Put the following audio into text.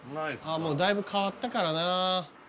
もうだいぶ変わったからなあ